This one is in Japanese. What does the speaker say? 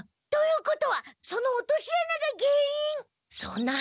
ということはその落としあながげんいん！